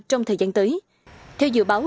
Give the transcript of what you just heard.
trong thời gian tới theo dự báo